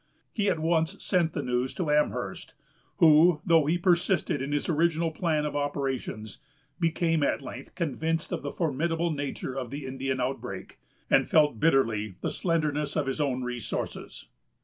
He at once sent the news to Amherst; who, though he persisted in his original plan of operations, became at length convinced of the formidable nature of the Indian outbreak, and felt bitterly the slenderness of his own resources.